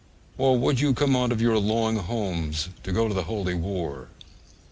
Or would you come out of your long homes to go to the Holy War?